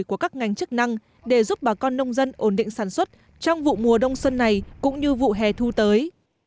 của các ngành chức năng để giúp bà con nông dân ổn định sản xuất trong vụ mùa đông xuân này cũng như vụ hè thu tới